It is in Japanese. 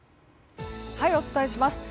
お伝えします。